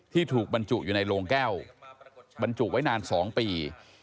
ถูกบรรจุอยู่ในโรงแก้วบรรจุไว้นาน๒ปี